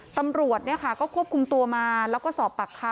ตำรวจก็ควบคุมตัวมาแล้วก็สอบปากคำ